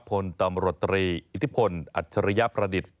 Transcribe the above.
พลตำรวจตรีอิทธิพลอัจฉริยประดิษฐ์